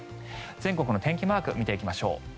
全国の天気マーク見ていきましょう。